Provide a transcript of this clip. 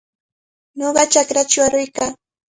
Nuna chakrachaw aruykan.